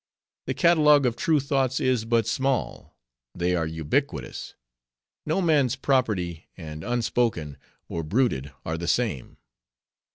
The catalogue of true thoughts is but small; they are ubiquitous; no man's property; and unspoken, or bruited, are the same.